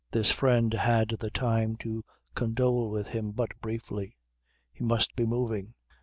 This friend had the time to condole with him but briefly. He must be moving.